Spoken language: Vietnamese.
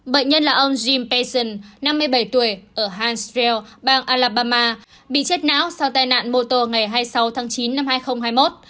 bệnh nhân là ông jim pearson năm mươi bảy tuổi ở harnsville bang alabama bị chết não sau tai nạn motor ngày hai mươi sáu tháng chín năm hai nghìn hai mươi một